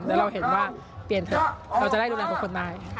แล้วเราเห็นว่าเปลี่ยนเถอะเราจะได้ดูแลทุกคนได้